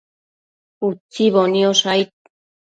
Utsimbo niosh aid